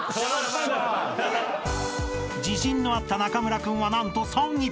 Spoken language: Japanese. ［自信のあった中村君は何と３位］